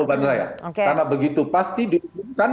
karena begitu pasti diumumkan